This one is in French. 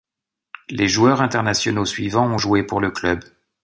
Les joueurs internationaux suivants ont joué pour le club.